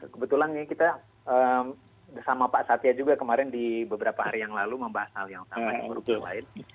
kebetulan kita sama pak satya juga kemarin di beberapa hari yang lalu membahas hal yang utama yang berubah lain